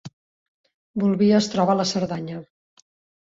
Bolvir es troba a la Cerdanya